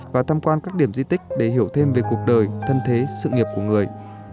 và tham quan các điểm di tích để hiểu thêm về cuộc đời thân thế sự nghiệp của người